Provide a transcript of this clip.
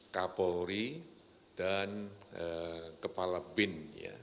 kapolri dan kepala bin